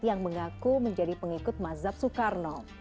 yang mengaku menjadi pengikut mazhab soekarno